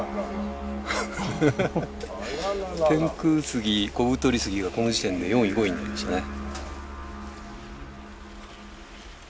天空杉コブトリ杉がこの時点で４位５位になりましたね。